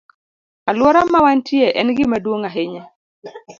Alwora ma wantie en gima duong' ahinya.